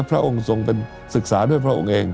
พระองค์ทรงเป็นศึกษาด้วยพระองค์เอง